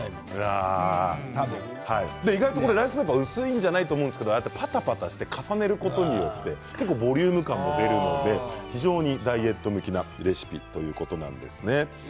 ライスペーパーは薄いんじゃないと思うんですがパタパタして重ねることによってボリューム感が出るのでダイエット向きなレシピということなんですね。